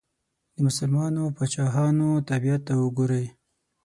د مسلمانو پاچاهانو طبیعت ته وګورئ.